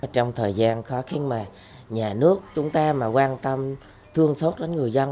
trong thời gian khó khăn mà nhà nước chúng ta mà quan tâm thương xót đến người dân